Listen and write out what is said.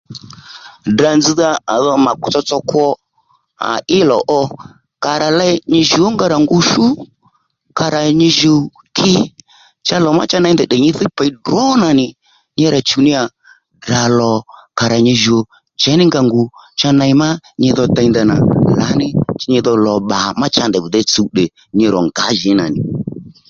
Ddrà nzz̀dha à dho mà tsotso kwo aa í lò ó kà rà ley nyi djùw ó nga rà ngu shú kàrà nyi jùw ki cha lò ma cha ney ndèy tdè nyi thiy pěy ddrǒ nà nì nyi rà chùw ddíya Ddrà lò kà rà nyi djùw ò chěy nì nga ngù cha ney má nyi dho dey ndanà lǎní nyidho lò bba ma cha ndèy vi de tsùw dè nyi rò ngǎjìní nǎ nì